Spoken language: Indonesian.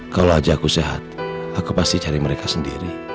kalau aja aku sehat aku pasti cari mereka sendiri